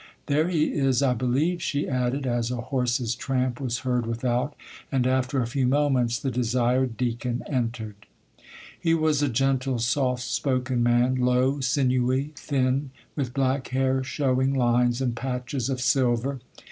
—There he is, I believe,' she added, as a horse's tramp was heard without, and, after a few moments, the desired Deacon entered. He was a gentle, soft spoken man, low, sinewy, thin, with black hair showing lines and patches of silver.